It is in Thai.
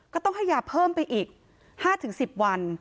ก็ต้องให้ยาเพิ่มไปอีก๕๑๐วัน